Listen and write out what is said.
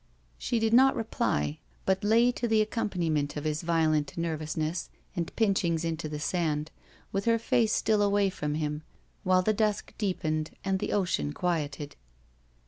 She did not reply, but lay to the accompaniment of his violent nervousness and pinchings into the sand, with her face still away from him, while the dusk deepened and the ocean quieted.